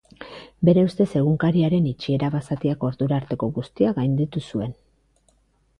Bere ustez Egunkaria-ren itxiera basatiak ordura arteko guztia gainditu zuen.